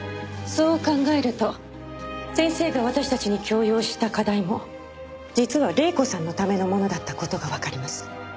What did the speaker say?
そう考えると先生が私たちに強要した課題も実は黎子さんのためのものだった事がわかります。